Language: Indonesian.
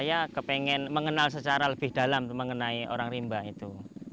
ya karena saya ingin mengenal secara lebih dalam mengenai orang rimba itu